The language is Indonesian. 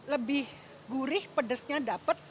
lebih gurih pedesnya dapat